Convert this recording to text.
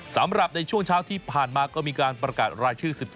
สำหรับในช่วงเช้าที่ผ่านมาก็มีการประกาศรายชื่อ๑๒